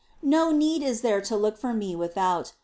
No need is there to look for Me without.